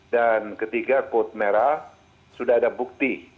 dan ketiga kode merah sudah ada bukti